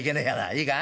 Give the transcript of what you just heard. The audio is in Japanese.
いいか？